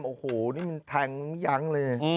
โอ้โหนี่แทงยังเลย